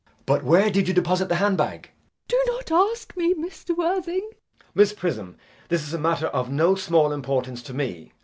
] But where did you deposit the hand bag? MISS PRISM. Do not ask me, Mr. Worthing. JACK. Miss Prism, this is a matter of no small importance to me.